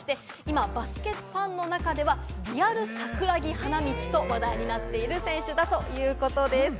今、バスケファンの間でリアル桜木花道と話題になっている選手なんです。